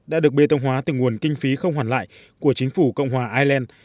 đã được bê tông hóa từ nguồn kinh phí không hoàn lại của chính phủ cộng hòa ireland